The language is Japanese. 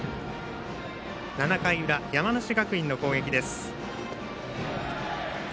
７回の裏、山梨学院の攻撃です。